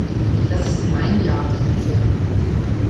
Das ist mein Jagdrevier.